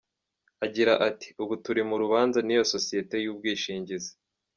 Agira ati “Ubu turi mu rubanza n’iyo sosiyete y’ubwishingizi.